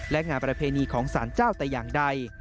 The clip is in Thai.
และงานประเพณีของสารเจ้าแต่อย่างใด